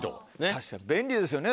確かに便利ですよね